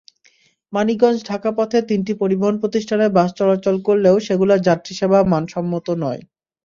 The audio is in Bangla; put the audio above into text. মানিকগঞ্জ-ঢাকা পথে তিনটি পরিবহন প্রতিষ্ঠানের বাস চলাচল করলেও সেগুলোর যাত্রীসেবা মানসম্মত নয়।